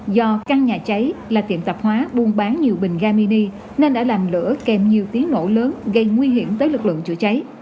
do căn nhà cháy là tiệm tạp hóa buôn bán nhiều bình ga mini nên đã làm lửa kèm nhiều tiếng nổ lớn gây nguy hiểm tới lực lượng chữa cháy